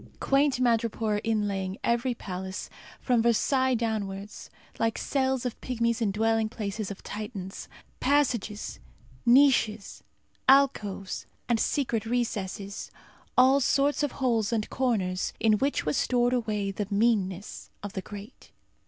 Quaint madrepore inlaying every palace, from Versailles downwards, like cells of pygmies in dwelling places of Titans. Passages, niches, alcoves, and secret recesses. All sorts of holes and corners, in which was stored away the meanness of the great.